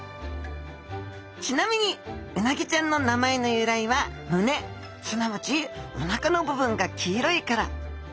ちなみにうなぎちゃんの名前の由来は胸すなわちおなかの部分が黄色いから。